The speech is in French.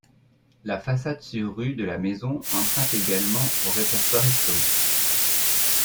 La façade sur rue de la maison emprunte également au répertoire historique.